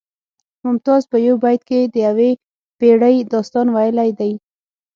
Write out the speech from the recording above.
ممتاز په یو بیت کې د یوې پیړۍ داستان ویلی دی